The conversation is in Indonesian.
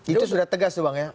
itu sudah tegas tuh bang ya